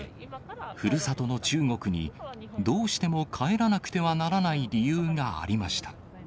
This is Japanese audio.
ふるさとの中国にどうしても帰らなくてはならない理由がありました。